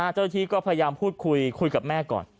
เจ้าหน้าที่ก็พยายามพูดคุยคุยกับแม่ก่อน